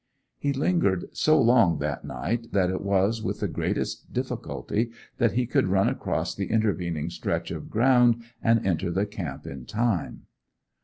He lingered so long that night that it was with the greatest difficulty that he could run across the intervening stretch of ground and enter the camp in time.